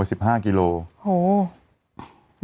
อืมบอกว่า๑๕กิโลกรัม